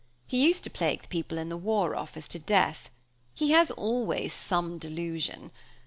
He used to plague the people in the War Office to death. He has always some delusion.